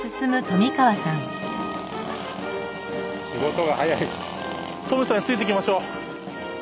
トミさんについていきましょう。